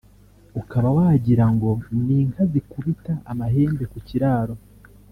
ukaba wagira ngo ni inka zikubita amahembe ku kiraro